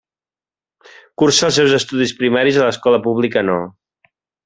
Cursa els seus estudis primaris a l'escola pública No.